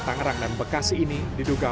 tangerang dan bekasi ini diduga